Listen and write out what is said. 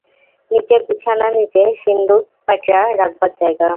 নীচে বিছানার নীচে সিন্দুক প্যাঁটরা রাখবার জায়গা।